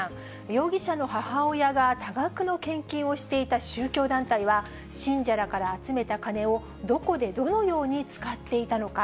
容疑者の母親が多額の献金をしていた宗教団体は、信者らから集めたカネを、どこで、どのように使っていたのか。